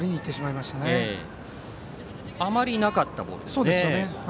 あまりなかったボールです。